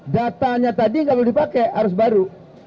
datanya tadi nggak boleh dipakai harus baru